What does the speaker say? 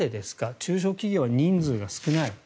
中小企業は人数が少ない。